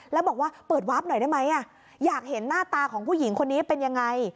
แล้วบอกว่าเปิดวาร์ฟหน่อยได้ไหมอยากเห็นหน้าตาของผู้หญิงคนนี้เป็นยังไง